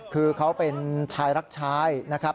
คือเขาเป็นชายรักชายนะครับ